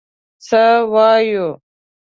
څه وایو.